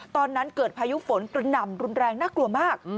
ตอนนั้นเกิดพายุฝนกระหน่ำรุนแรงน่ากลัวมาก